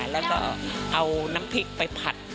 แล้วก็เอาน้ำพริกไปผัด